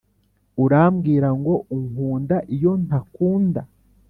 urambwira ngo unkunda iyo ntakunda.